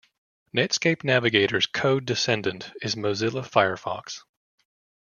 Netscape Navigator's code descendant is Mozilla Firefox.